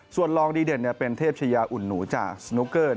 ส่วนรองดีเด่นเป็นเทพชายาอุ่นหนูจากสนุกเกอร์